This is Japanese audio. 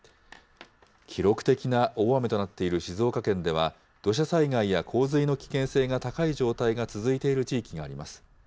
記録的な大雨となっている静岡県では、土砂災害や洪水の危険性が高い状態が続いている地域があります。